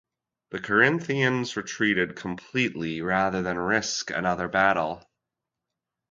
The Corinthians retreated completely rather than risk another battle.